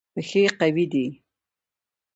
پښې قوي دي.